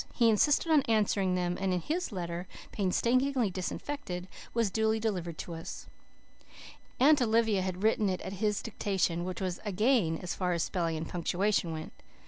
He insisted on answering them and his letter, painstakingly disinfected, was duly delivered to us. Aunt Olivia had written it at his dictation, which was a gain, as far as spelling and punctuation went.